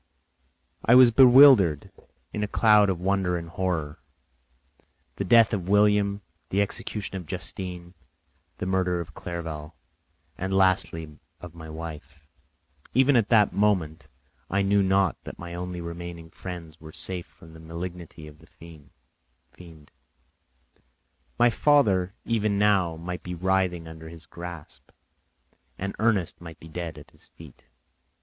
I was bewildered, in a cloud of wonder and horror. The death of William, the execution of Justine, the murder of Clerval, and lastly of my wife; even at that moment I knew not that my only remaining friends were safe from the malignity of the fiend; my father even now might be writhing under his grasp, and Ernest might be dead at his feet.